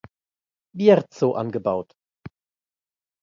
Bierzo angebaut.